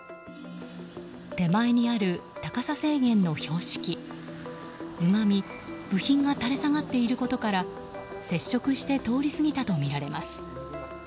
手前にある高さ制限の標識ゆがみ部品が垂れ下がっていることから接触して通り過ぎたとみられます。